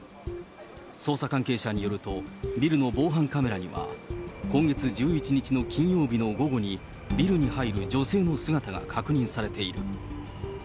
捜査関係者によると、ビルの防犯カメラには、今月１１日の金曜日の午後に、ビルに入る女性の姿が確認されている。